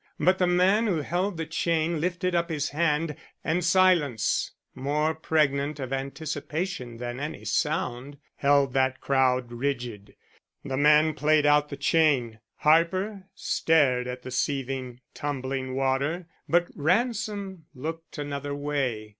But the man who held the chain lifted up his hand, and silence more pregnant of anticipation than any sound held that whole crowd rigid. The man played out the chain; Harper stared at the seething, tumbling water, but Ransom looked another way.